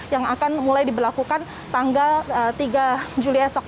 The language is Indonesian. yang akan mulai diberlakukan tanggal tiga juli esok